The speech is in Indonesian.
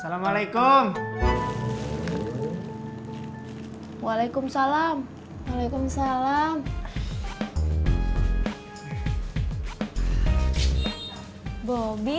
yang mana kita tuamaker